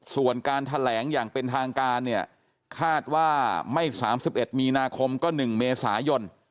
ส่วนการแถลงอย่างเป็นทางการเนี่ยคาดว่าไม่๓๑มีนาคมก็๑เมษายน